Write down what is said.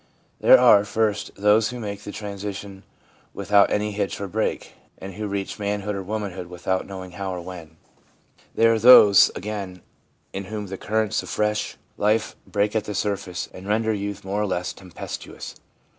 There are, first, those who make the tran sition without any hitch or break, and who reach man hood or womanhood without knowing how or when. There are those, again, in whom the currents of fresh 4 io THE PSYCHOLOGY OF RELIGION life break at the surface, and render youth more or less tempestuous.